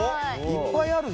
いっぱいあるぞ。